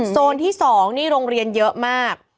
โซนที่๒นี่โรงเรียนเยอะมาก